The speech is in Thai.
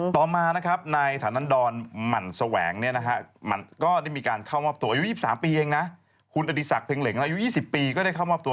ต่อมานะครับนายถานันตรหมั่นแสวงก็ได้มีการเข้ามอบตัวอายุ๒๓ปีเองนะคุณอดิษักเพ็งเหล็งอายุ๒๐ปีก็ได้เข้ามอบตัว